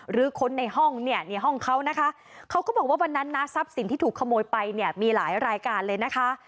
ค้นในห้องเนี่ยในห้องเขานะคะเขาก็บอกว่าวันนั้นนะทรัพย์สินที่ถูกขโมยไปเนี่ยมีหลายรายการเลยนะคะ